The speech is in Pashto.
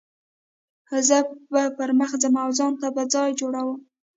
زه به پر مخ ځم او ځان ته به ځای جوړوم.